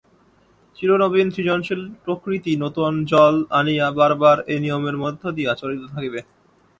চিরনবীন সৃজনশীল প্রকৃতি নূতন জল আনিয়া বার বার এই নিয়মের মধ্য দিয়া চলিতে থাকিবে।